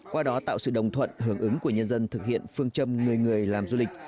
qua đó tạo sự đồng thuận hưởng ứng của nhân dân thực hiện phương châm người người làm du lịch